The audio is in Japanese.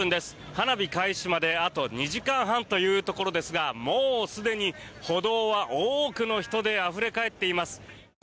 花火開始まであと２時間半というところですがもうすでに歩道は多くの人であふれかえっています。